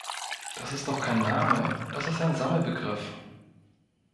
Das ist doch kein Name, das ist ein Sammelbegriff.